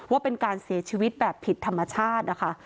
ว่าเป็นการเสียชีวิตแบบผิดธรรมชาตินะคะ